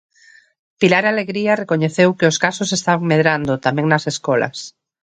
Pilar Alegría recoñeceu que os casos están medrando tamén nas escolas.